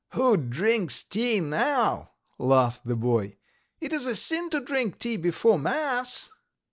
"Who drinks tea now?" laughed the boy. "It is a sin to drink tea before mass.